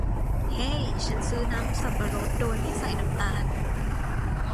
เฮ้ฉันซื้อน้ำสับปะรดโดยไม่ใส่น้ำตาล